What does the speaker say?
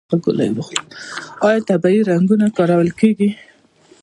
آیا طبیعي رنګونه کارول کیږي؟